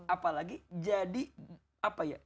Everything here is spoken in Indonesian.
apalagi jadi apa ya